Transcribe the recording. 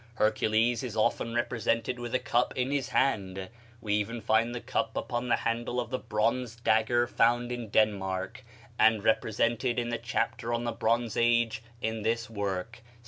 Hercules is often represented with a cup in his hand; we even find the cup upon the handle of the bronze dagger found in Denmark, and represented in the chapter on the Bronze Age, in this work.